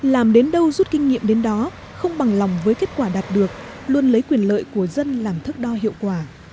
làm đến đâu rút kinh nghiệm đến đó không bằng lòng với kết quả đạt được luôn lấy quyền lợi của dân làm thức đo hiệu quả